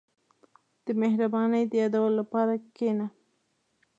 • د مهربانۍ د یادولو لپاره کښېنه.